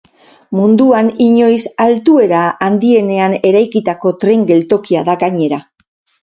Munduan inoiz altuera handienean eraikitako tren geltokia da gainera.